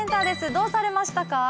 どうされましたか？